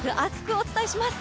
お伝えします。